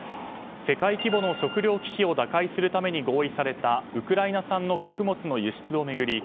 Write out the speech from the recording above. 世界規模の食糧危機を打開するために合意されたウクライナ産の穀物の輸出を巡り